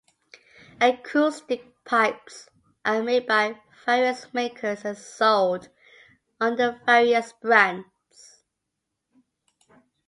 Acoustic pipes are made by various makers and sold under various brands.